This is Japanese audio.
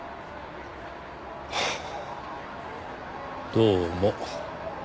どうも。